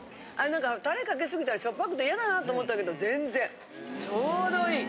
なんかタレかけすぎたらしょっぱくてイヤだなと思ったけど全然ちょうどいい。